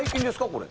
これ。